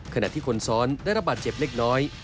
ขณะที่คนซ้อนได้รับบาดเจ็บเล็กน้อย